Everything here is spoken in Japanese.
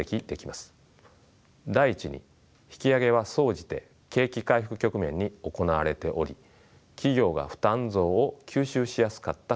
第１に引き上げは総じて景気回復局面に行われており企業が負担増を吸収しやすかったからです。